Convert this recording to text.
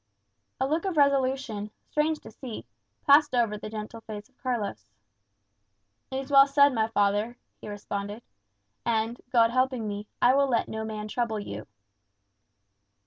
A look of resolution, strange to see, passed over the gentle face of Carlos. "It is well said, my father," he responded. "And, God helping me, I will let no man trouble you."